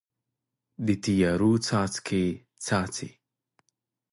د تیارو څاڅکي، څاڅي